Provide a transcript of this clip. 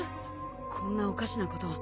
こんなおかしなこと。